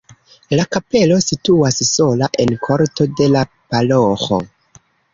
La kapelo situas sola en korto de la paroĥo.